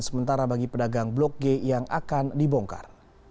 sementara bagi pedagang blok g yang akan dibongkar